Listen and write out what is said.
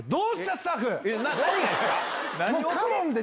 スタッフ。